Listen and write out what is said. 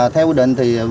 theo quy định thì